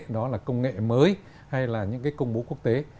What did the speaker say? đó là công nghệ mới hay là những cái công bố quốc tế